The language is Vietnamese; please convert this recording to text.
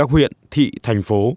huyện thị thành phố